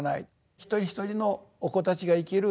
一人一人のお子たちが生きる